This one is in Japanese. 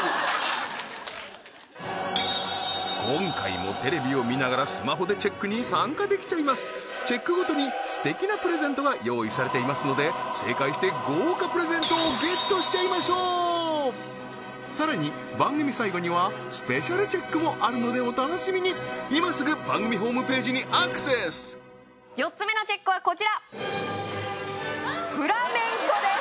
今回もテレビを見ながらスマホでチェックに参加できちゃいますチェックごとにすてきなプレゼントが用意されていますので正解して豪華プレゼントをゲットしちゃいましょうさらに番組さいごにはスペシャルチェックもあるのでお楽しみにいますぐ番組ホームページにアクセス４つ目のＣＨＥＣＫはこちらフラメンコです